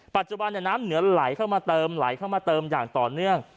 ปัจจุบันน้ำเหนือไหลเข้ามาเติมไหลเข้ามาเติมอย่างต่อเนื่อง